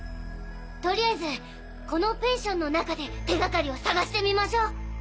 とりあえずこのペンションの中で手掛かりを探してみましょう。